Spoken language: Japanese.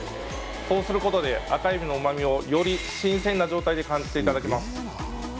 そうすることで赤えびの旨味をより新鮮な状態で感じていただけます